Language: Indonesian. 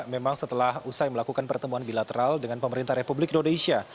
memang setelah usai melakukan pertemuan bilateral dengan pemerintah republik indonesia